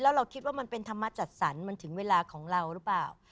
เราคิดว่ามันเป็นธรรมจัดสรรมันถึงเวลาของเราหรือเปล่า